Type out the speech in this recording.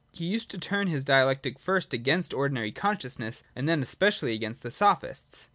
He used to turn his Dialectic, first against ordinary consciousness, and then especially against the Sophists.